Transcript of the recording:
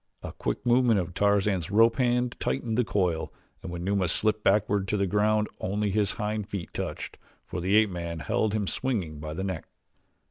A quick movement of Tarzan's rope hand tightened the coil and when Numa slipped backward to the ground only his hind feet touched, for the ape man held him swinging by the neck.